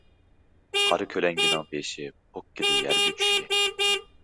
قارا كۆلەڭگىنىڭ بېشى پوككىدە يەرگە چۈشتى.